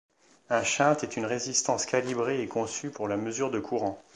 Un shunt est une résistance calibrée et conçue pour la mesure de courants.